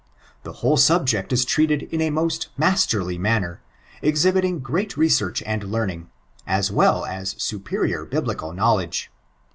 The whole subject is treated in a most masterly manner ; exhibiting great research and learning, as well as superior biblical knowledge.